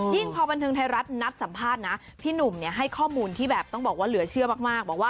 พอบันเทิงไทยรัฐนัดสัมภาษณ์นะพี่หนุ่มให้ข้อมูลที่แบบต้องบอกว่าเหลือเชื่อมากบอกว่า